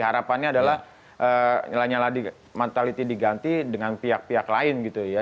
harapannya adalah lanyala mataliti diganti dengan pihak pihak lain gitu ya